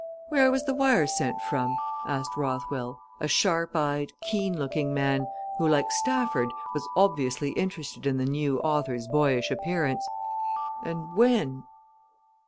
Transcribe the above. "Where was the wire sent from?" asked Rothwell, a sharp eyed, keen looking man, who, like Stafford, was obviously interested in the new author's boyish appearance. "And when?"